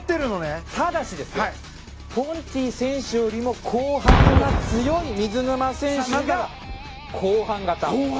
ただし、ポンティ選手よりも後半が強い水沼選手が後半型。